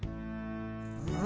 うん？